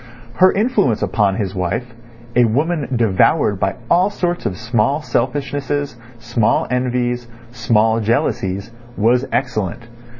Her influence upon his wife, a woman devoured by all sorts of small selfishnesses, small envies, small jealousies, was excellent.